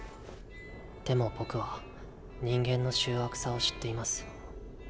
でも僕は人間の醜悪さを知っています。